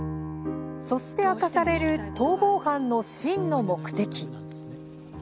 そして明かされる逃亡犯の真の目的。